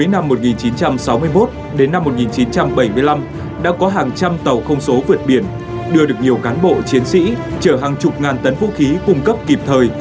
năm một nghìn chín trăm sáu mươi một đến năm một nghìn chín trăm bảy mươi năm đã có hàng trăm tàu không số vượt biển đưa được nhiều cán bộ chiến sĩ chở hàng chục ngàn tấn vũ khí cung cấp kịp thời